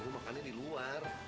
makannya di luar